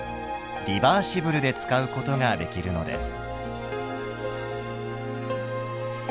リバーシブルで使うことができるのです。